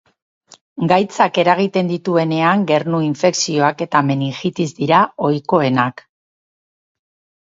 Gaitzak eragiten dituenean gernu-infekzioak eta meningitis dira ohikoenak.